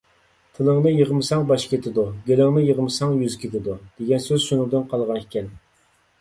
«تىلىڭنى يىغمىساڭ، باش كېتىدۇ. گېلىڭنى يىغمىساڭ، يۈز كېتىدۇ» دېگەن سۆز شۇنىڭدىن قالغان ئىكەن.